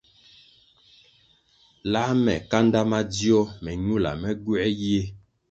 Lā me kanda madzio me ñula, me gywē yie.